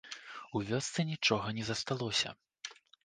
У вёсцы нічога не засталося.